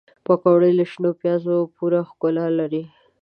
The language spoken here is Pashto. پکورې له شنو پیازو پوره ښکلا لري